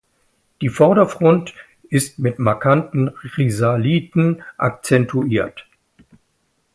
Die Vorderfront ist mit markanten Risaliten akzentuiert.